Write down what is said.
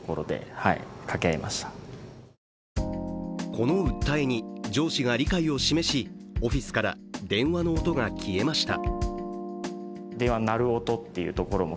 この訴えに上司が理解を示し、オフィスから電話の音が消えました。